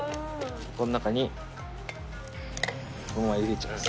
この中にこのまま入れちゃいます